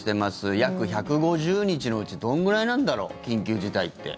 約１５０日のうちどんぐらいなんだろう緊急事態って。